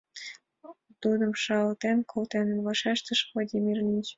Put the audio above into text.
— Думым шалатен колтеныт, — вашештыш Владимир Ильич.